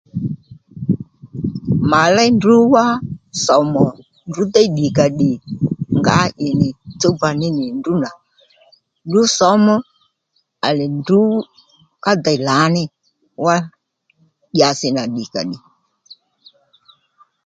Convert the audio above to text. Mà léy ndrǔ wá sòmù ò ndrǔ déy ddìkàddì ngǎ ì nì tsúwba ní nì ndrǔ nà ndrǔ sǒmú à lè ndrǔ ká dey lǎní wá dyǎsi nà ddìkàddì